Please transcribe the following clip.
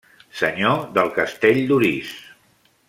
Senyor del Castell d'Orís.